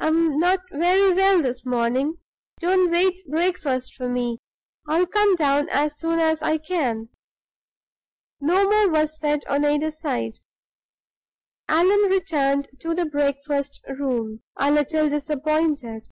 I'm not very well this morning. Don't wait breakfast for me; I'll come down as soon as I can." No more was said on either side. Allan returned to the breakfast room a little disappointed.